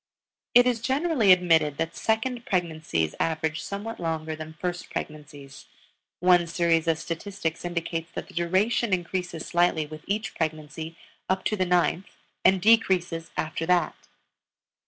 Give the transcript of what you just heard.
It is generally admitted that second pregnancies average somewhat longer than first pregnancies; one series of statistics indicates that the duration increases slightly with each pregnancy up to the ninth and decreases after that.